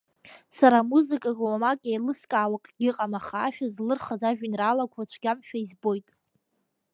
Сара амузыкаҿы уамак иеилыскаауа акгьы ыҟам, аха ашәа злырхыз ажәеинраалақәа цәгьамшәа избоит.